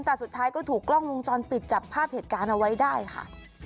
แต่สุดท้ายก็ถูกกล้องวงจรปิดจับภาพเหตุการณ์เอาไว้ได้ค่ะ